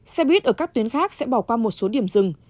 xe buýt ở các tuyến khác sẽ bỏ qua một số điểm rừng